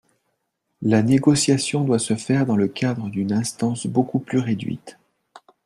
La négociation doit se faire dans le cadre d’une instance beaucoup plus réduite.